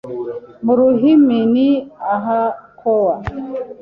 Mu ruhimi ni ah’akowa